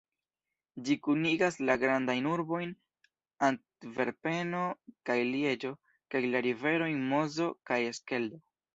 Ĝi kunigas la grandajn urbojn Antverpeno kaj Lieĝo kaj la riverojn Mozo kaj Skeldo.